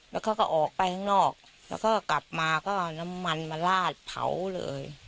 แล้วเขาก็ออกไปข้างนอกแล้วก็กลับมาก็เอาน้ำมันมาลาดเผาเลย